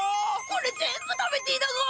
これ全部食べていいだか？